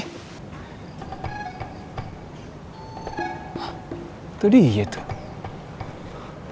itu dia tuh